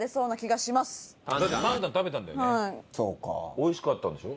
美味しかったんでしょ？